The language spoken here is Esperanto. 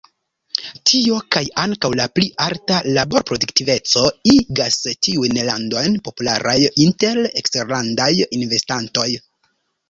Tio, kaj ankaŭ la pli alta laborproduktiveco, igas tiujn landojn popularaj inter eksterlandaj investantoj.